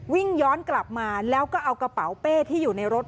วิ่งย้อนกลับมาแล้วก็เอากระเป๋าเป้ที่อยู่ในรถ